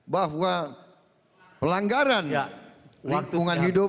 bahwa pelanggaran lingkungan hidup